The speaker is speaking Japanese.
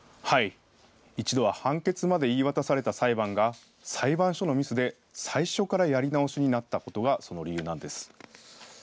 １度は判決まで言い渡された裁判が裁判所のミスで最初からやり直しになったことがその理由なんです。